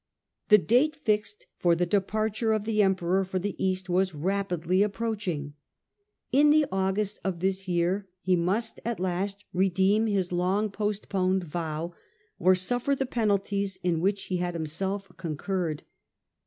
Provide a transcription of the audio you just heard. The date fixed for the departure of the Emperor for the East was rapidly approaching. In the August of this year he must at last redeem his long postponed vow, or suffer the penalties in which he had himself concurred.